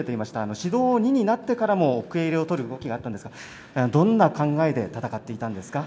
指導２になってからも奥襟をとる動きがあったんですがどんな考えで戦っていたんですか。